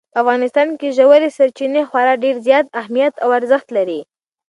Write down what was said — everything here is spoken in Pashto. په افغانستان کې ژورې سرچینې خورا ډېر زیات اهمیت او ارزښت لري.